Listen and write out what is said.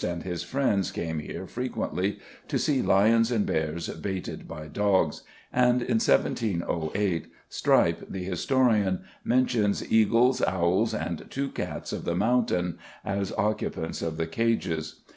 and his friends came here frequently "to see lions and bears baited by dogs," and in 1708 Strype, the historian, mentions "eagles, owls, and two cats of the mountain," as occupants of the cages.